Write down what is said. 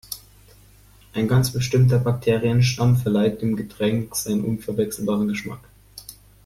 Ein ganz bestimmter Bakterienstamm verleiht dem Getränk seinen unverwechselbaren Geschmack.